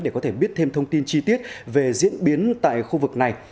để có thể biết thêm thông tin chi tiết về diễn biến tại khu vực này